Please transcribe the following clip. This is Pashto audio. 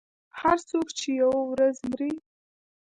• هر څوک چې یوه ورځ مري.